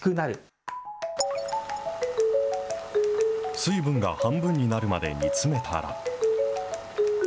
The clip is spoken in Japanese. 水分が半分になるまで煮詰めたら。